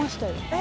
え